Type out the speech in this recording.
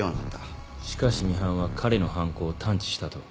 しかしミハンは彼の犯行を探知したと？